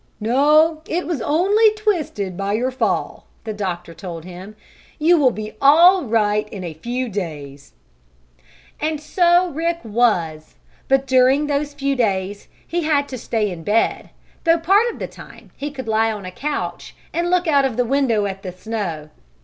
"No, it was only twisted by your fall," the doctor told him. "You will be all right in a few days." And so Rick was, but during those few days he had to stay in bed, though part of the time he could lie on a couch and look out of the window at the snow.